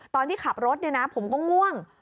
ตอนที่ขับรถนี่นะผมก็ม่วง